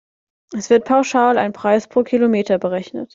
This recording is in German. Es wird pauschal ein Preis pro Kilometer berechnet.